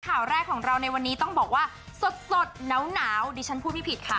ข่าวแรกของเราในวันนี้ต้องบอกว่าสดหนาวดิฉันพูดไม่ผิดค่ะ